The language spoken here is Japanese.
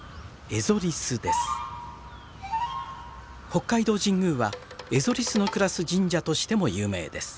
北海道神宮はエゾリスの暮らす神社としても有名です。